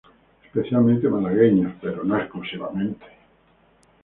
Especialmente malagueños, pero no exclusivamente.